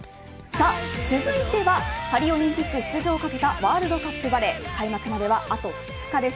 続いてはパリオリンピック出場を懸けたワールドカップバレー開幕まではあと２日です。